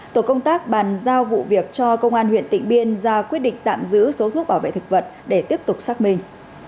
tổ công tác bàn giao vụ việc cho công an huyện tịnh biên ra quyết định tạm giữ số thuốc bảo vệ thực vật để tiếp tục xác minh